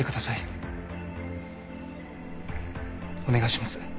お願いします。